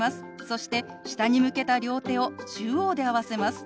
そして下に向けた両手を中央で合わせます。